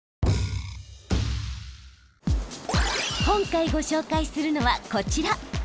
今回ご紹介するのはこちら！